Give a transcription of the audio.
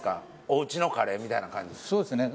おうちのカレーみたいな感じそうですね